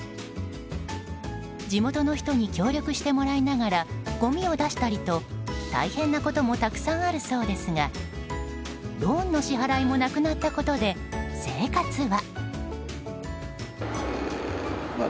地元の人に協力してもらいながらごみを出したりと大変なこともたくさんあるそうですがローンの支払いもなくなったことで生活は。